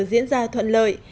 diễn ra thuận lợi